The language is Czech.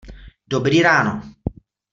Dobrý ráno.